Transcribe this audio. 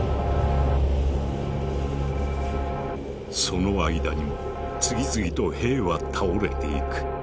その間にも次々と兵は倒れていく。